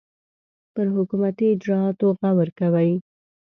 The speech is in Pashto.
پر حکومتي اجرآتو غور کوي.